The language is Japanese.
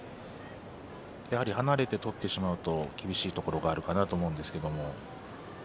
やはり離れて取ってしまうと厳しいところがあると思います。